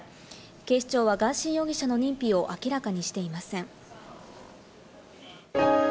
警視庁はガーシー容疑者の認否を明らかにしていません。